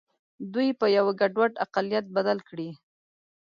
دوی په یوه ګډوډ اقلیت بدل کړي.